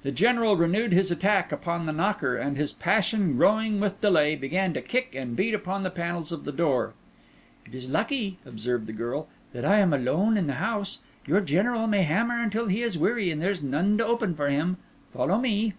The General renewed his attack upon the knocker, and his passion growing with delay, began to kick and beat upon the panels of the door. "It is lucky," observed the girl, "that I am alone in the house; your General may hammer until he is weary, and there is none to open for him. Follow me!"